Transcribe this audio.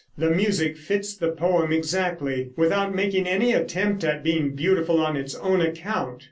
The music fits the poem exactly, without making any attempt at being beautiful on its own account.